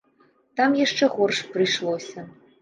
Там яшчэ горш прыйшлося.